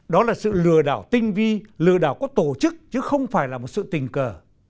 đó là sự lừa đảo tinh vi lừa đảo có tổ chức chứ không phải là một sự tình cờ